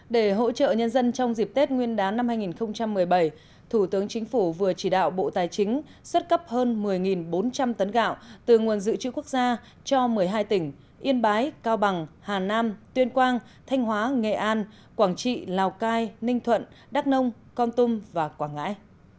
để hỗ trợ nhân dân trong dịp tết nguyên đán năm hai nghìn một mươi bảy thủ tướng chính phủ vừa chỉ đạo bộ tài chính xuất cấp hơn một mươi bốn trăm linh tấn gạo từ nguồn dự trữ quốc gia cho một mươi hai tỉnh yên bái cao bằng hà nam tuyên quang thanh hóa nghệ an quảng trị lào cai ninh thuận đắk nông con tung và quảng ngãi